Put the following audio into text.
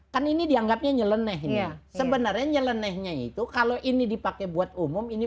kan ini dianggapnya nyeleneh ini sebenarnya nyelenehnya itu kalau ini dipakai buat umum ini